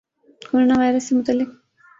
corona virus سے متعلق